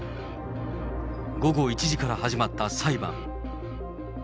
午後１時から始まった裁判。